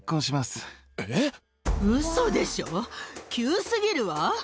ウソでしょ、急すぎるわ。